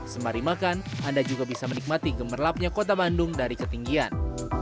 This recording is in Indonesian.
sembari makan anda juga bisa menikmati gemerlapnya kota bandung dari ketinggian